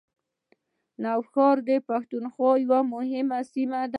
نوښار د پښتونخوا یوه سیمه ده